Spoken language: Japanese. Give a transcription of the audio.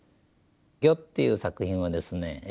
「ギョ」っていう作品はですね